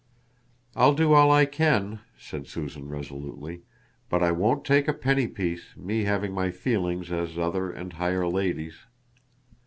"I'll do all I can," said Susan resolutely, "but I won't take a penny piece, me having my feelings as other and higher ladies."